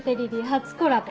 初コラボ。